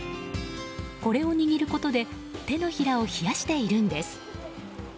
これを握ることで手のひらを冷やしているんです。